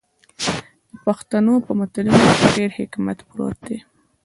د پښتنو په متلونو کې ډیر حکمت پروت دی.